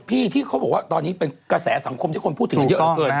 ที่เขาบอกว่าตอนนี้เป็นกระแสสังคมที่คนพูดถึงกันเยอะเหลือเกิน